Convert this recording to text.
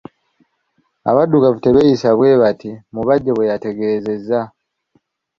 "Abadduggavu tebeeyisa bwebati," Mubajje bweyategeezezza.